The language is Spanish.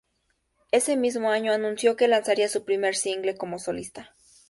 Ese mismo año anunció que lanzaría su primer single como solista.